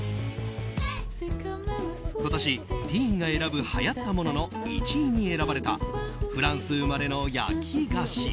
今年、ティーンが選ぶはやったものの１位に選ばれたフランス生まれの焼き菓子。